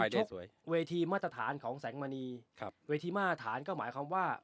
เวทีมาตรฐานของแสงมณีครับเวทีมาตรฐานก็หมายความว่า